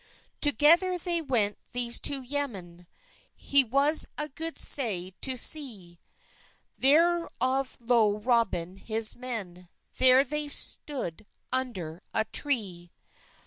Togeder then went thes two yemen, Het was a god seyt to se; Therof low Robyn hes men, Ther they stod onder a tre.